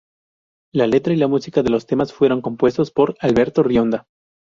La letra y la música de los temas fueron compuestos por Alberto Rionda.